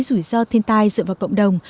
rủi ro thiên tai dựa vào cộng đồng